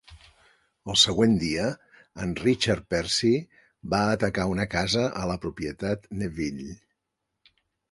El següent dia en Richard Percy va atacar una casa a la propietat Neville.